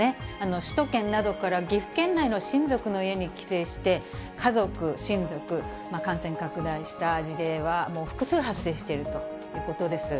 首都圏などから岐阜県内の親族の家に帰省して、家族、親族、感染拡大した事例はもう複数、発生しているということです。